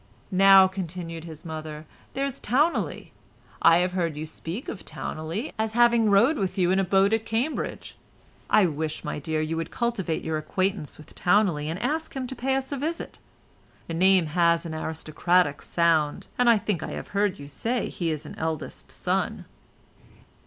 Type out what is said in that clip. "Now," continued his mother, "there's Towneley. I have heard you speak of Towneley as having rowed with you in a boat at Cambridge. I wish, my dear, you would cultivate your acquaintance with Towneley, and ask him to pay us a visit. The name has an aristocratic sound, and I think I have heard you say he is an eldest son."